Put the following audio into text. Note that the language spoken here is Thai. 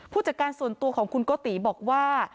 จากการส่วนตัวของคุณโกติบอกว่า